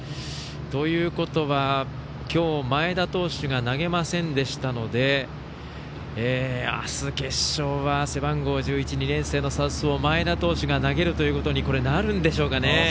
ということはきょう前田投手が投げませんでしたのであす、決勝は背番号１１２年生のサウスポー前田投手が投げるということになるんでしょうかね。